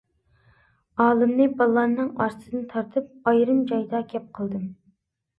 ئالىمنى بالىلارنىڭ ئارىسىدىن تارتىپ، ئايرىم جايدا گەپ قىلدىم.